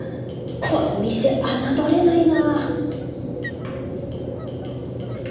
この店侮れないな